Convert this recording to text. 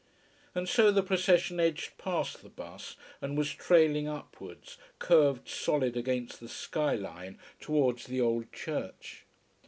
And so the procession edged past the bus, and was trailing upwards, curved solid against the sky line towards the old church.